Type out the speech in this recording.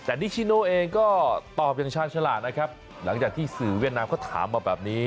แต่นิชิโนเองก็ตอบอย่างชาญฉลาดนะครับหลังจากที่สื่อเวียดนามเขาถามมาแบบนี้